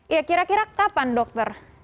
ya kira kira kapan dokter